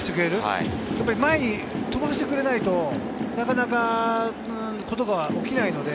なんとか飛ばしてくれないと、なかなかことが起きないので。